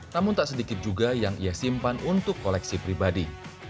namun tak sedikit juga yang ia simpan untuk koleksi pribadi